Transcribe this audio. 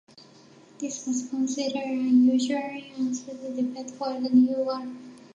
This was considered an unusually auspicious debut for the new warplane.